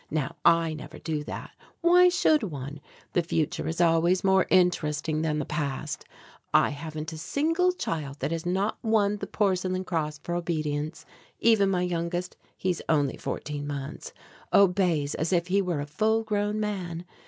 Now I never do that. Why should one? The future is always more interesting than the past. I haven't a single child that has not won the porcelain cross for obedience. Even my youngest he is only fourteen months obeys as if he were a full grown man.